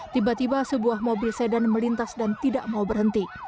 tiba tiba sebuah mobil sedan melintas dan tidak mau berhenti